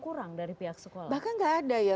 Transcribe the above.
kurang dari pihak sekolah bahkan nggak ada ya